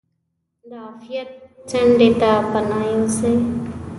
د عافیت څنډې ته پناه یوسي.